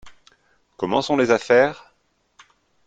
Comment sont les affaires ?